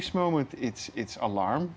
saat ini adalah fase alarm